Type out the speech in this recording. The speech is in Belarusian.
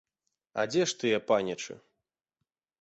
А дзе ж тыя панічы?